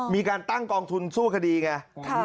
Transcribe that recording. มีการตั้งกองทุนสู้คดีไง